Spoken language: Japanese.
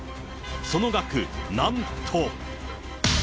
その額なんと。